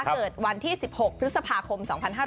เกิดวันที่๑๖พฤษภาคม๒๕๕๙